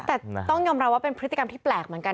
แต่ต้องยอมรับว่าเป็นพฤติกรรมที่แปลกเหมือนกัน